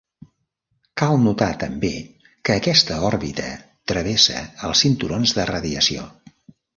Cal notar també que aquesta òrbita travessa els cinturons de radiació.